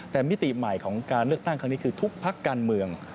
แต่มิติใหม่ของการเลือกตั้งครั้งนี้คือทุกพักการเมือง